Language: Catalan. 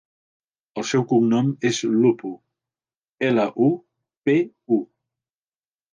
El seu cognom és Lupu: ela, u, pe, u.